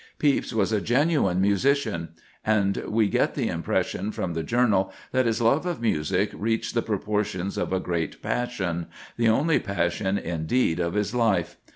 Pepys was a genuine musician; and we get the impression from the journal that his love of music reached the proportions of a real passion—the only passion, indeed, of his life.